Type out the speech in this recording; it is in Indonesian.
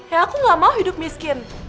ya aku gak mau hidup miskin